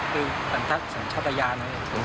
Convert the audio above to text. คือตรงทางสนชาตญานะ